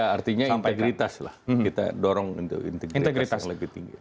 artinya integritas lah kita dorong untuk integritas yang lebih tinggi